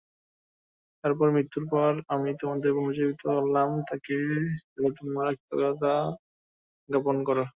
তারপর মৃত্যুর পর আমি তোমাদেরকে পুনর্জীবিত করলাম, যাতে তোমরা কৃতজ্ঞতা জ্ঞাপন কর।